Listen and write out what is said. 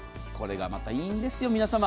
これがまた、いいんですよ。